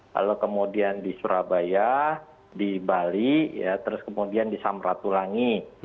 lalu kemudian di surabaya di bali terus kemudian di samratulangi